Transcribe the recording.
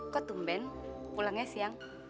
kok tumben pulangnya siang